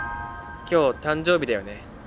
今日誕生日だよね。